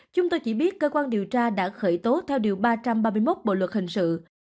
chúng tôi chỉ biết cơ quan điều tra đã khởi tố theo điều ba trăm ba mươi một bộ luật hình sự